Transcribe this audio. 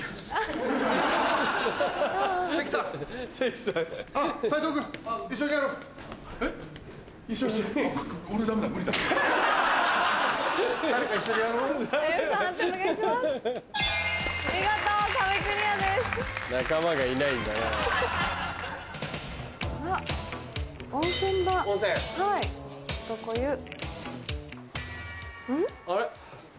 あれ？